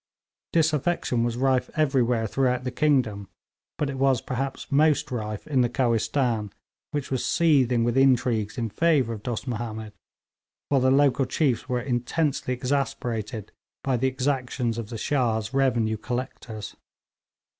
Disaffection was rife everywhere throughout the kingdom, but it was perhaps most rife in the Kohistan, which was seething with intrigues in favour of Dost Mahomed, while the local chiefs were intensely exasperated by the exactions of the Shah's revenue collectors.